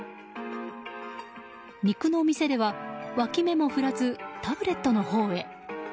肉の店ではわき目も振らずタブレットのほうへ。